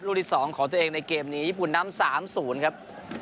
ที่๒ของตัวเองในเกมนี้ญี่ปุ่นนำ๓๐ครับ